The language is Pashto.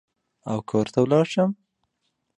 او کور ته ولاړ شم.